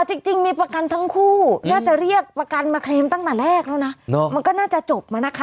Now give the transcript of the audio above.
จริงมีประกันทั้งคู่น่าจะเรียกประกันมาเคลมตั้งแต่แรกแล้วนะมันก็น่าจะจบมานะคะ